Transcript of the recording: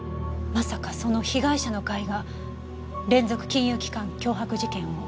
まさかその被害者の会が連続金融機関脅迫事件を？